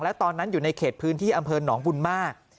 และตอนนั้นอยู่ในเขตพื้นที่อำเภอหนองบุญมาก